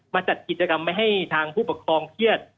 จัดกิจกรรมไม่ให้ทางผู้ปกครองเครียด